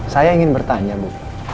saya ingin bertanya bu